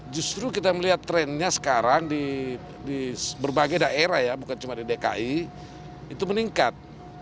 justru kita melihat trennya sekarang di berbagai daerah ya bukan cuma di dki itu meningkat